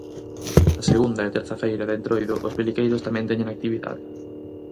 A segunda e terza feira de entroido os peliqueiros tamén teñen actividade.